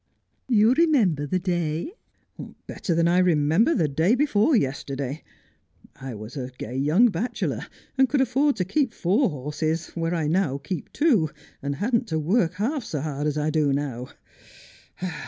' You remember the day 1 '' Better than I remember the day before yesterday. I was a gay young bachelor, and could afford to keep four horses where I now keep two, and hadn't to work half so hard as I do now.